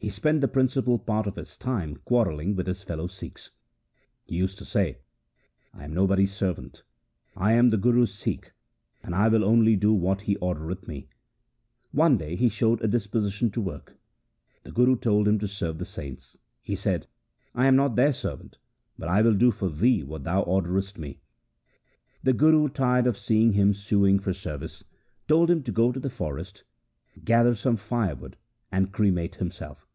He spent the principal part of his time quarrelling with his fellow Sikhs. He used to say, ' I am nobody's servant. I am the Guru's Sikh, and I will only do what he ordereth me.' One day he showed a disposition to work. The Guru told him to serve the saints. He said, ' I am not their servant, but I will do for thee what thou orderest me.' The Guru, tired of seeing him suing for service, told him to go to the forest, gather some firewood, and cremate himself.